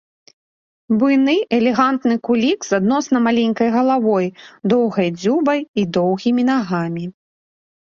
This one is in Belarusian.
Буйны элегантны кулік з адносна маленькай галавой, доўгай дзюбай і доўгімі нагамі.